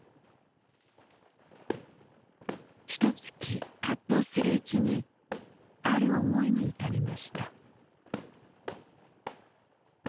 ひとつき葛藤するうちにある思いに至りました。